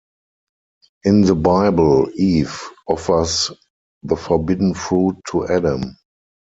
In the Bible, Eve offers the forbidden fruit to Adam.